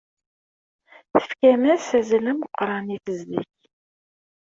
Tefkam-as azal ameqran i tezdeg.